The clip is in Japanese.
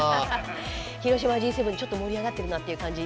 広島Ｇ７ちょっと盛り上がってるなっていう感じ。